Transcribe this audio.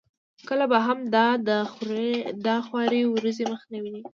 کله به هم دای د خوارې ورځې مخ نه وویني.